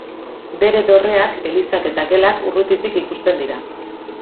Bere dorreak, elizak eta gelak, urrutitik ikusten dira.